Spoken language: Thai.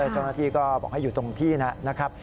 เจ้าหน้าที่ก็บอกให้อยู่ตรงที่นะครับ